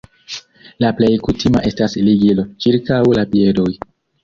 La plej kutima estas ligilo ĉirkaŭ la piedoj.